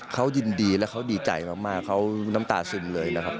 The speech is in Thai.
เขายินดีและเขาดีใจมากเขาน้ำตาซึมเลยนะครับ